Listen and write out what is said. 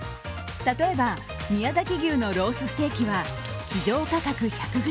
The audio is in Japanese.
例えば宮崎牛のロースステーキは市場価格１００ｇ